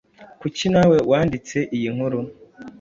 kuki nawe wanditse iyi nkuru